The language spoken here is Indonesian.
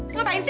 mau ngapain sih